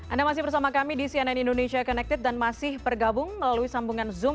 anda masih bersama kami di cnn indonesia connected dan masih bergabung melalui sambungan zoom